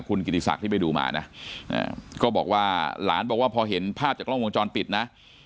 คุณกิติศักดิ์ที่ไปดูมานะก็บอกว่าหลานบอกว่าพอเห็นภาพจากกล้องวงจรปิดนะ